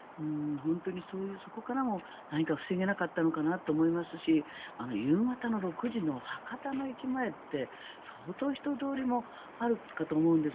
本当にそこからも何か防げなかったのかなと思いますし夕方の６時の博多の駅前って相当人通りもあるかと思うんです。